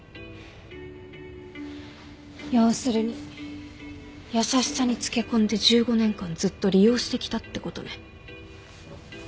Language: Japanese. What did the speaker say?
要するに優しさにつけ込んで１５年間ずっと利用してきたってことね。